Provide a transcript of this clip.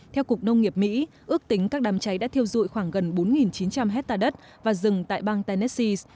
theo cục nông nghiệp mỹ ước tính các đám cháy đã thiêu dụi khoảng gần bốn chín trăm linh hectare đất và rừng tại bang tennessis